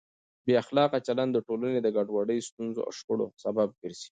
بې اخلاقه چلند د ټولنې د ګډوډۍ، ستونزو او شخړو سبب ګرځي.